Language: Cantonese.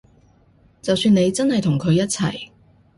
就算你真係同佢一齊